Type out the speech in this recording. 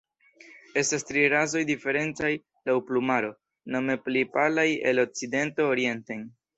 Estas tri rasoj diferencaj laŭ plumaro, nome pli palaj el okcidento orienten.